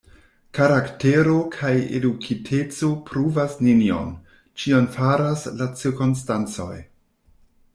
Karaktero kaj edukiteco pruvas nenion; ĉion faras la cirkonstancoj.